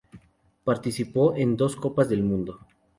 Participó de dos Copas del Mundo.